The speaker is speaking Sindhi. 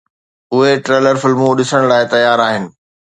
اهي ٿرلر فلمون ڏسڻ لاءِ تيار آهن